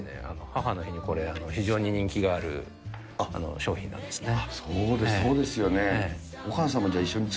母の日にこれ、非常に人気がある商品なんですね。